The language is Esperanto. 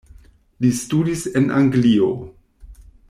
Li studis en Anglio.